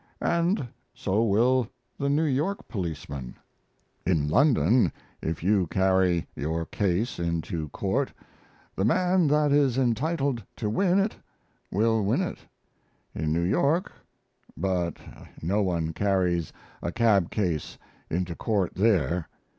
And so will the New York policeman. In London if you carry your case into court the man that is entitled to win it will win it. In New York but no one carries a cab case into court there.